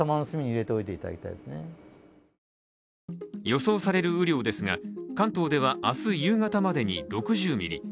予想される雨量ですが、関東では明日夕方までに６０ミリ。